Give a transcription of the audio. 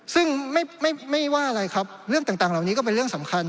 ซึ่งไม่ว่าอะไรครับเรื่องต่างเหล่านี้ก็เป็นเรื่องสำคัญ